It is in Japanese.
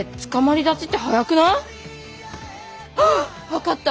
分かった。